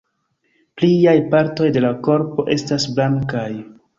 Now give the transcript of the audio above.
Pliaj partoj de la korpo estas blankaj.